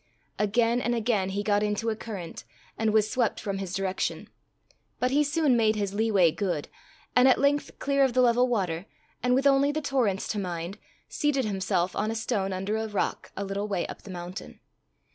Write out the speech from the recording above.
Again and again he got into a current, and was swept from his direction, but he soon made his lee way good, and at length clear of the level water, and with only the torrents to mind, seated himself on a stone under a rock a little way up the mountain.